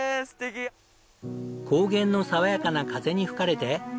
高原の爽やかな風に吹かれて。